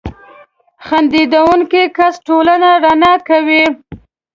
• خندېدونکی کس ټولنه رڼا کوي.